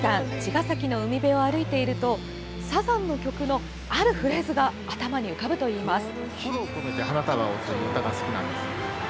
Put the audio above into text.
茅ヶ崎の海辺を歩いているとサザンの曲の、あるフレーズが頭に浮かぶといいます。